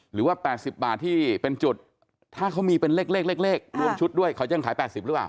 หรือว่า๘๐บาทที่เป็นจุดถ้าเขามีเป็นเลขรวมชุดด้วยเขายังขาย๘๐หรือเปล่า